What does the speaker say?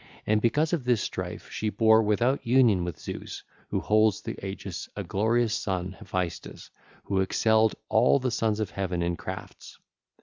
And because of this strife she bare without union with Zeus who holds the aegis a glorious son, Hephaestus, who excelled all the sons of Heaven in crafts.